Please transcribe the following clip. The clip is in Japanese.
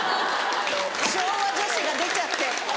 昭和女子が出ちゃって。